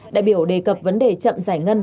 đại biểu đề cập vấn đề chậm giải ngân